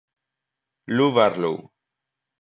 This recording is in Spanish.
Lou Barlow.